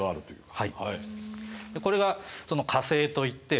はい。